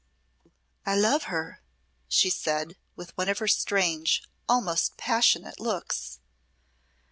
"I love her," she said, with one of her strange, almost passionate, looks.